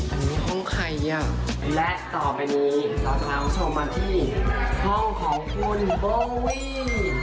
อันนี้ห้องใครอ่ะและต่อไปนี้เราจะลองชมมาที่ห้องของคุณโบวี่